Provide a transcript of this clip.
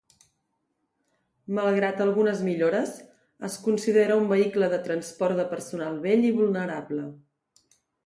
Malgrat algunes millores, es considera un vehicle de transport de personal vell i vulnerable.